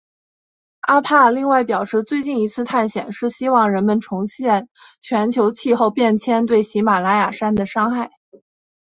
阿帕另外表示最近一次探险是希望让人们重视全球气候变迁对喜玛拉雅山的伤害。